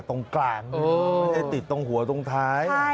ตรงกลางไม่ได้ติดตรงหัวตรงท้าย